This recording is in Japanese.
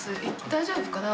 大丈夫かな。